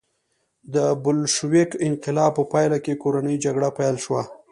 د بلشویک انقلاب په پایله کې کورنۍ جګړه پیل شوه.